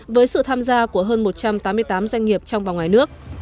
với sự tham gia của hơn một trăm tám mươi tám doanh nghiệp trong và ngoài nước